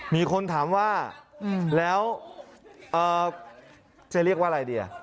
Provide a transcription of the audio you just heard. มีคนถามว่าแล้วจะเรียกว่าอะไรดี